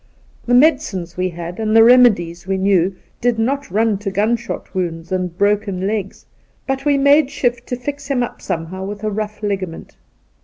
The medicines we had, and the remedies we knew, did not run to gunshot wounds and broken legs, but we made shift to fix him up somehow with a rough ligament.